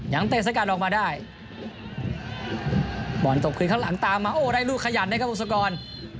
เตะสกัดออกมาได้บอลตบคืนข้างหลังตามมาโอ้ได้ลูกขยันนะครับวงศกร